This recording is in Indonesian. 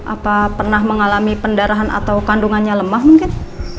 apa pernah mengalami pendarahan atau kandungannya lemah mungkin